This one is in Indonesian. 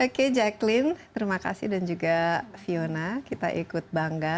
oke jacqueline terima kasih dan juga fiona kita ikut bangga